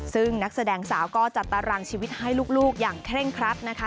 ซึ่งนักแสดงสาวก็จัดตารางชีวิตให้ลูกอย่างเคร่งครัดนะคะ